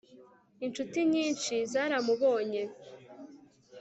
inshuti nyinshi zaramubonye